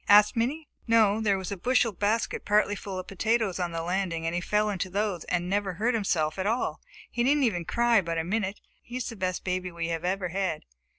asked Minnie. "No, there was a bushel basket partly full of potatoes on the landing, and he fell into those and never hurt himself at all. He didn't even cry but a minute. He is the best baby we have ever had."